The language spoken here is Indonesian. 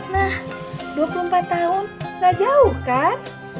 nah dua puluh empat tahun gak jauh kan